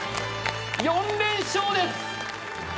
４連勝です